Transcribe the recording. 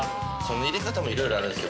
入れ方もいろいろあるんですよ。